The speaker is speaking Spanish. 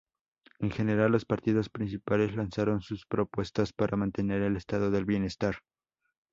En general los partidos principales lanzaron sus propuestas para mantener el estado del bienestar.